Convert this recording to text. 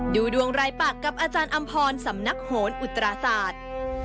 ดูดวงรายปากกับอาจารย์อำพรสำนักโหนอุตราศาสตร์